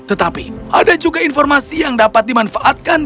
tetapi ada juga informasi yang dapat dimanfaatkan